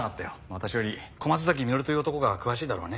私より小松崎実という男が詳しいだろうね。